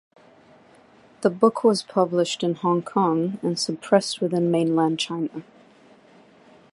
The book was published in Hong Kong and suppressed within Mainland China.